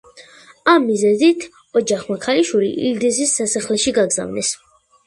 ამ მიზეზით, ოჯახმა ქალიშვილი ილდიზის სასახლეში გაგზავნეს.